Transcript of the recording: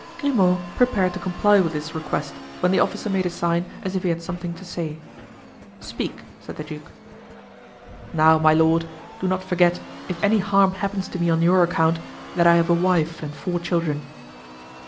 Grimaud prepared to comply with this request, when the officer made a sign as if he had something to say. "Speak," said the duke. "Now, my lord, do not forget, if any harm happens to me on your account, that I have a wife and four children."